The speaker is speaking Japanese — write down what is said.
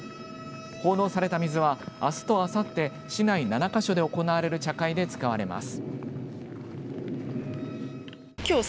奉納された水はあすとあさって市内７か所で行われる茶会で使われます。